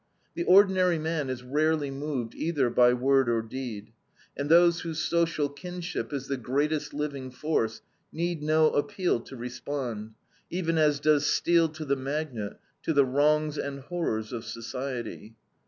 The ordinary man is rarely moved either by word or deed; and those whose social kinship is the greatest living force need no appeal to respond even as does steel to the magnet to the wrongs and horrors of society.